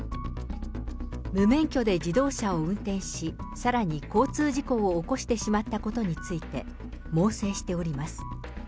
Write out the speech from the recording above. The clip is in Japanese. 無免許で自動車を運転し、さらに交通事故を起こしてしまったことについて猛省しております。